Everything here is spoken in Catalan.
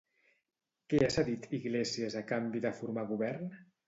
Què ha cedit Iglesias a canvi de formar govern?